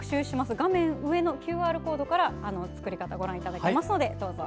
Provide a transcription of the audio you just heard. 画面上のＱＲコードから作り方をご覧いただけます。